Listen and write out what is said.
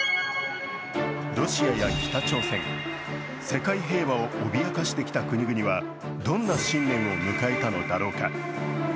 ロシアや北朝鮮、世界平和を脅かしてきた国々はどんな新年を迎えたのだろうか。